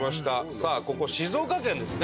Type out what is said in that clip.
さあここ静岡県ですね。